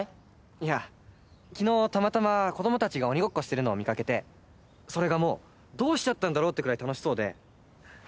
いや昨日たまたま子供たちが鬼ごっこしてるのを見掛けてそれがもうどうしちゃったんだろうってくらい楽しそうでそのときにね松永君が言ってた